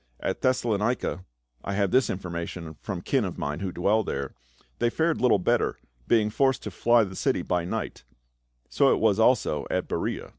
At Thes salonica — I have this information from kin of mine who dwell there — they fared little better, being forced to fly the city by night ; so was it also at Berea."